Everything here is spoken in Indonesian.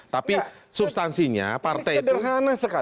tapi substansinya partai itu